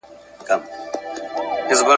په لږ وخت کي سوې بد بویه زرغونې سوې !.